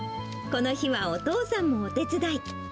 この日はお父さんもお手伝い。